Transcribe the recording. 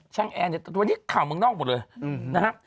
แอร์เนี่ยวันนี้ข่าวเมืองนอกหมดเลยนะฮะ